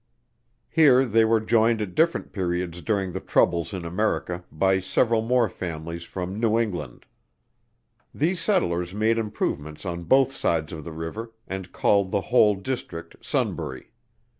Here they were joined at different periods during the troubles in America, by several more families from New England. These settlers made improvements on both sides of the river, and called the whole district Sunbury.